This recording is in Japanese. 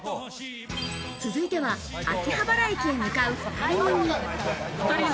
続いては、秋葉原駅へ向かう２人組。